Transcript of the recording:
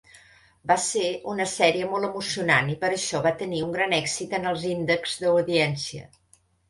Va ser una sèrie molt emocionant i per això va tenir un gran èxit en els índexs d'audiència.